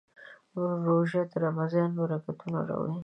روژه د رمضان برکتونه راوړي.